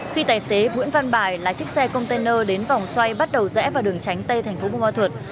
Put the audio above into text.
khi tài xế nguyễn văn bài lái chiếc xe container đến vòng xoay bắt đầu rẽ vào đường tránh tây thành phố bùa ma thuột